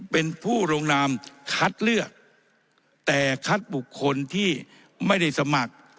เป็นผู้ลงนามคัดเลือกแต่คัดบุคคลที่ไม่ได้สมัคร